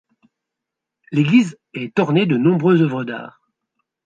L'église est ornée de nombreuses œuvres d'art.